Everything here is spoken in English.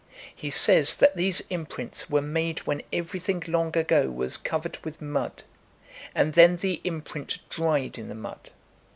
He says that these imprints were made when everything long ago was covered with mud, and then the imprint dried in themud.